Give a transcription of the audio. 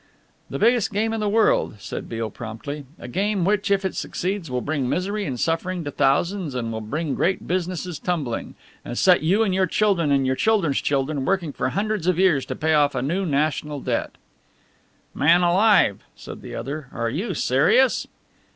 "The biggest game in the world," said Beale promptly, "a game which, if it succeeds, will bring misery and suffering to thousands, and will bring great businesses tumbling, and set you and your children and your children's children working for hundreds of years to pay off a new national debt." "Man alive!" said the other, "are you serious?"